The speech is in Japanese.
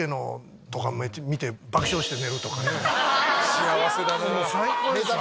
幸せだなぁ。